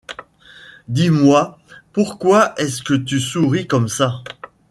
Dis-moi : pourquoi est-ce que tu souris comme ça ?